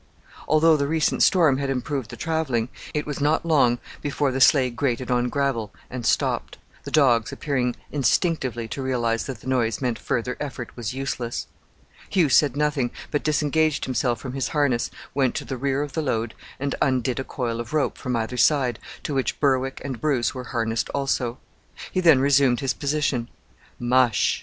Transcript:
Although the recent storm had improved the travelling, it was not long before the sleigh grated on gravel and stopped, the dogs appearing instinctively to realize that the noise meant further effort was useless. Hugh said nothing, but disengaged himself from his harness, went to the rear of the load, and undid a coil of rope from either side, to which Berwick and Bruce were harnessed also. He then resumed his position. "Mush!"